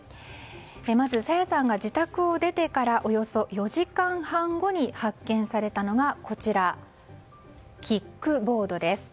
まず朝芽さんが自宅を出てからおよそ４時間半後に発見されたのがキックボードです。